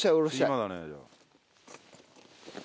今だねじゃあ。